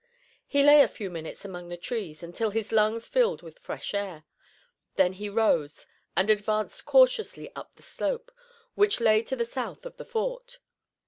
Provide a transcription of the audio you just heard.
He lay a few minutes among the trees, until his lungs filled with fresh air. Then he rose and advanced cautiously up the slope, which lay to the south of the fort.